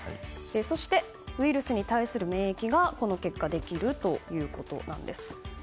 そしてウイルスに対する免疫がこの結果できるということです。